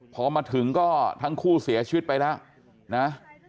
พอมาถึงก็ทั้งคู่เสียชีวิตไปแล้วนะ